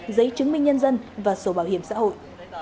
giấy chứng minh nhân dân và sổ bảo hiểm xã hội